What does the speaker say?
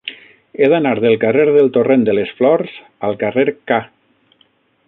He d'anar del carrer del Torrent de les Flors al carrer K.